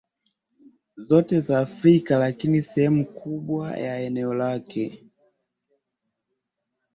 zote za Afrika lakini sehemu kubwa ya eneo lake